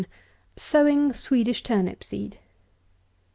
SOWING SWEDISH TURNIP SEED.